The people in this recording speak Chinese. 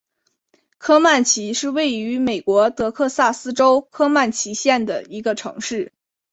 科曼奇是位于美国得克萨斯州科曼奇县的一个城市。